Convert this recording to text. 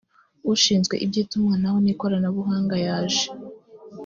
ushinzwe iby itumanaho n ikoranabuhanga yaje